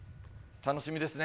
楽しみですね。